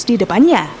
minibus di depannya